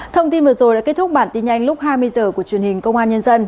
thông tin vừa rồi đã kết thúc bản tin nhanh lúc hai mươi h của truyền hình công an nhân dân